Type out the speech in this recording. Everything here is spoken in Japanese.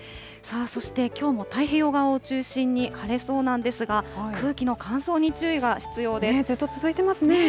そしてきょうも太平洋側を中心に、晴れそうなんですが、空気の乾燥ずっと続いてますね。